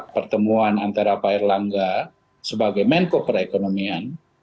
pertemuan antara pak erlangga sebagai menko perekonomian